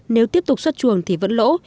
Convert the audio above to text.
nếu tiếp tục xuất chuồng thì vẫn lỗ